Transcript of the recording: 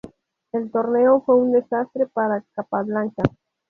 El torneo fue un desastre para Capablanca.